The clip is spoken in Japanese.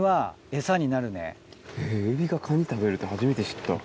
エビがカニ食べるって初めて知った。